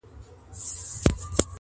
په نارو یو له دنیا له ګاونډیانو-